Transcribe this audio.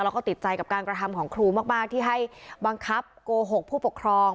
แล้วก็ติดใจกับการกระทำของครูมากที่ให้บังคับโกหกผู้ปกครอง